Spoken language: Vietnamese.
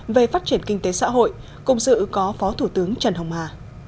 về phát triển kinh tế xã hội cùng sự ưu có phó thủ tướng trần hồng hà